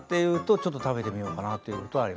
ちょっと食べてみようかなって思う。